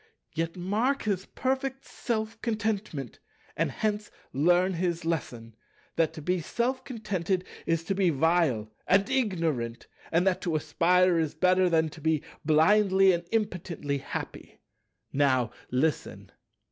Yet mark his perfect self contentment, and hence learn his lesson, that to be self contented is to be vile and ignorant, and that to aspire is better than to be blindly and impotently happy. Now listen."